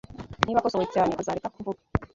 Niba akosowe cyane, azareka kuvuga.